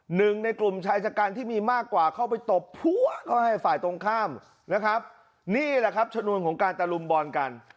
หนึ่งในกลุ่มชายชะกันที่มีมากกว่าเข้าไปตบพัวเข้าให้ฝ่ายตรงข้ามนะครับนี่แหละครับชนวนของการตะลุมบอลกัน